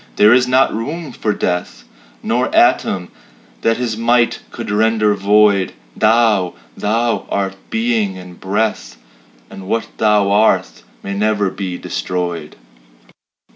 There is not room for Death, Nor atom that his might could render void; Thou Thou art Being and Breath, And what Thou art may never be destroyed.